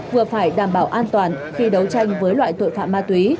vừa phải đảm bảo an toàn khi đấu tranh với loại tội phạm ma túy